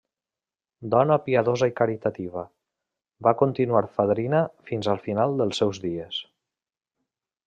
Dona piadosa i caritativa, va continuar fadrina fins al final dels seus dies.